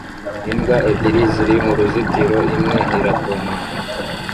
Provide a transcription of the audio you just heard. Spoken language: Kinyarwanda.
Imbwa ebyiri ziri muruzitiro imwe iratontoma